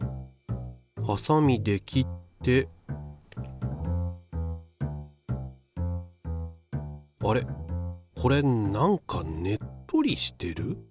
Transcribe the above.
ハサミで切ってあれこれなんかねっとりしてる？